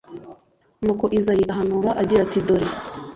nuko izayi ahanura agira atidore